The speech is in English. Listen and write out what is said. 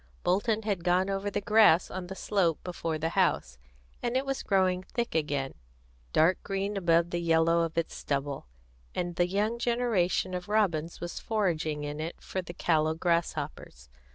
Bolton had gone over the grass on the slope before the house, and it was growing thick again, dark green above the yellow of its stubble, and the young generation of robins was foraging in it for the callow grasshoppers.